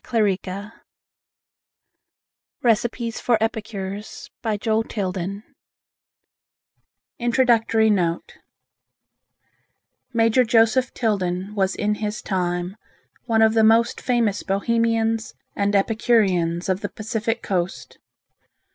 JOE TILDEN'S RECIPES FOR EPICURES 1907 Introductory Note Major Joseph Tilden was in his time one of the most famous Bohemians and epicureans of the Pacific Coast.